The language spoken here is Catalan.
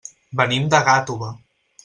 Venim de Gàtova.